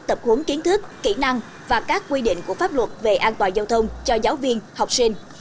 tập huấn kiến thức kỹ năng và các quy định của pháp luật về an toàn giao thông cho giáo viên học sinh